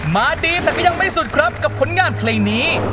มาดีแต่ก็ยังไม่สุดครับกับผลงานเพลงนี้